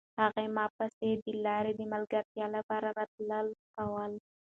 هغې په ما پسې د لارې د ملګرتیا لپاره راتلل کول.